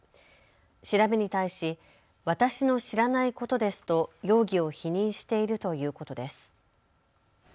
調べに対し、私の知らないことですと容疑を否認しているということです。